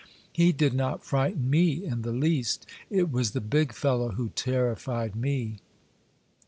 He did not frighten me in the least ; it was the big fellow who terrified me.